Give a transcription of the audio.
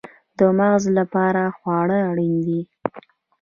د مغز لپاره خواړه اړین دي